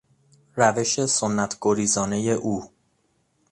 روش سنت گریزانهی او